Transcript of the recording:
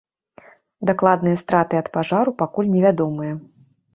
Дакладныя страты ад пажару пакуль невядомыя.